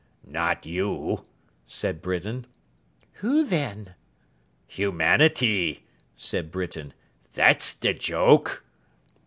'Not you!' said Britain. 'Who then?' 'Humanity,' said Britain. 'That's the joke!